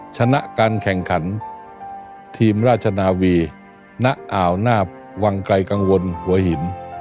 ชนะการแข่งขันทีมราชนาวีณอ่าวนาบวังไกลกังวลหัวหิน